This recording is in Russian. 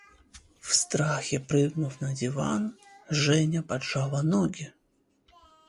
В страхе прыгнув на диван, Женя поджала ноги.